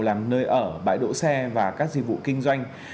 làm nơi ở bãi đỗ xe và các dịch vụ kinh doanh